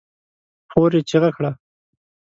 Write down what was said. خور يې چيغه کړه!